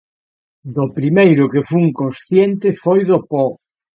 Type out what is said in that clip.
Do primeiro que fun consciente foi do po.